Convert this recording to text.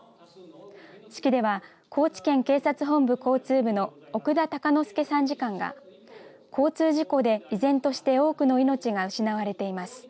式では高知県警察本部交通部の奥田貴之助参事官が交通事故で依然として多くの命が失われています。